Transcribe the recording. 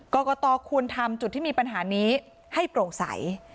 กรกตควรทำจุดที่มีปัญหานี้ให้โปร่งใส